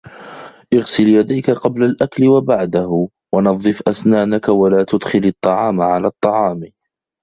اِغْسِلْ يَدَيْكَ قَبْلَ الْأَكْلِ وَبَعْدَهُ ، وَنَظِّفَ أسْنَانَكَ ، وَلَا تُدْخِلِ الطَّعَامَ عَلَى الطَّعَامِ.